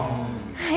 はい。